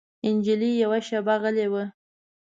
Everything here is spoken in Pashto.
نجلۍ يوه شېبه غلې وه.